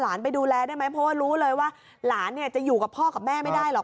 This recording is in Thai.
ไปดูแลได้ไหมเพราะว่ารู้เลยว่าหลานเนี่ยจะอยู่กับพ่อกับแม่ไม่ได้หรอก